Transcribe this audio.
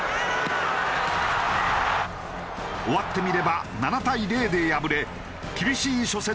終わってみれば７対０で敗れ厳しい初戦となった。